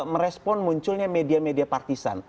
merespon munculnya media media partisan